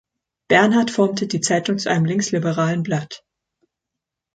Bernhard formte die Zeitung zu einem linksliberalen Blatt.